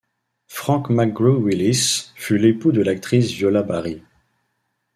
Frank McGrew Willis fut l'époux de l'actrice Viola Barry.